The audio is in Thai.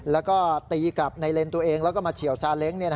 แล้วก็ตีกลับในเลนส์ตัวเองแล้วก็มาเฉียวซาเล้ง